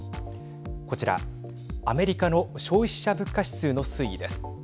こちら、アメリカの消費者物価指数の推移です。